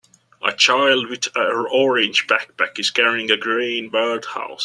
A child with a orange backpack is carrying a green bird house.